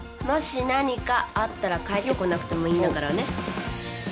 もし何かあったら帰ってこなくてもいいんだからね。